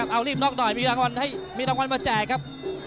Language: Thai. เอารีบน็อกหน่อยมีรางวัลมาแจกครับ